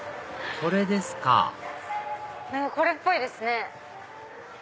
これですかこれっぽいですね。